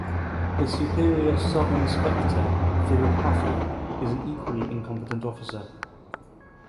His superior Sub Inspector Thirupathi is an equally incompetent officer.